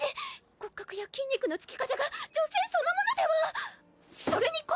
骨格や筋肉のつき方が女性そのものではそれに声！